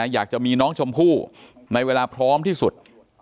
อยากจะมีน้องชมพู่ในเวลาพร้อมที่สุด